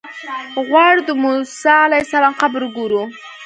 غواړو د موسی علیه السلام قبر وګورو.